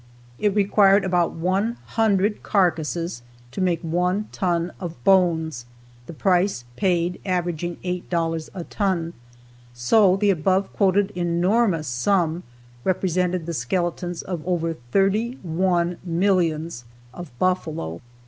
It required about one hundred carcases to make one ton of bones, the price paid averaging eight dollars a ton; so the above quoted enormous sum represented the skeletons of over thirty one millions of buffalo."